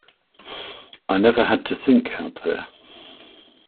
I never had to think out there.